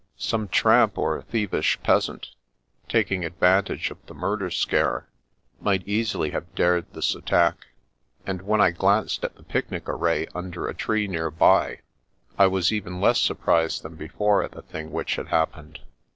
Some tramp, or thievish peasant, taking advantage of the murder scare, might easily have dared this attack ; and when I glanced at the picnic array under a tree near by, I was even less surprised than before at the thing which had happened.